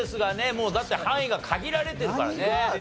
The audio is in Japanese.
もうだって範囲が限られてるからね。